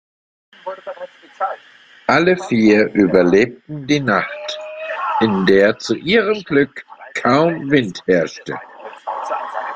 Alle vier überlebten die Nacht, in der zu ihrem Glück kaum Wind herrschte.